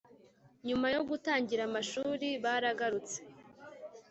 nyuma yo gutangira amashuri baragarutse